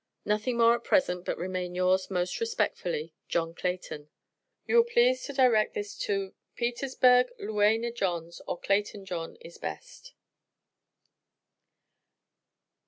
Nothing more at present but remain yours most respectfully, JOHN CLAYTON. You will please to direct the to Petersburg Luenena Johns or Clayton John is best.